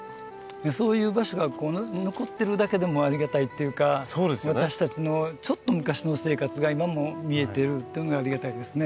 そういう場所が残ってるだけでもありがたいっていうか私たちのちょっと昔の生活が今も見えているっていうのがありがたいですね。